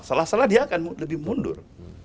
salah salah dia akan lebih mundur